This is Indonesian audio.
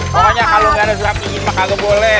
pokoknya kalau gak ada surat izin pak aga boleh